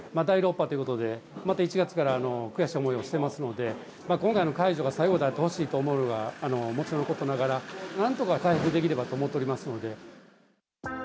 第６波ということで、また１月から悔しい思いをしてますので、今回の解除が最後であってほしいと思うのが、もちろんのことながら、なんとか回復できればと思っておりますので。